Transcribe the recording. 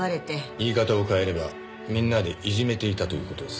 言い方を変えればみんなでいじめていたという事ですか？